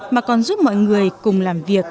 mà còn giúp mọi người cùng làm việc